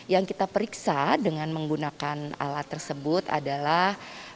yang kita periksa dengan menggunakan alat tersebut adalah